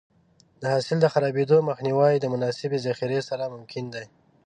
د حاصل د خرابېدو مخنیوی د مناسبې ذخیرې سره ممکن دی.